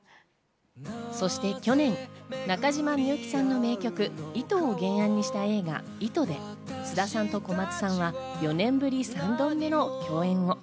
そして去年、中島みゆきさんの名曲『糸』を原案にした映画『糸』で菅田さんと小松さんは４年ぶり３度目の共演を。